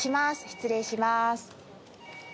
失礼します。